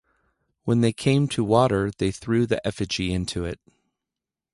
When they came to water, they threw the effigy into it.